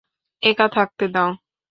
একা থাকতে দাও।